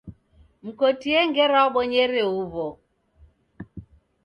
Mkotie ngera wabonyere huwo